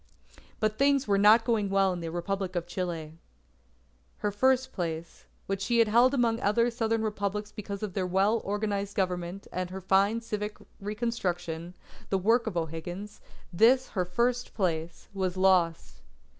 But things were not going well in the Republic of Chile. Her first place, which she had held among other southern Republics because of her well organized Government and her fine civic reconstruction, the work of O'Higgins, this her first place, was lost.